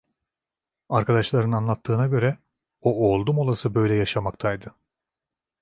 Arkadaşların anlattığına göre, o oldum olası böyle yaşamaktaydı.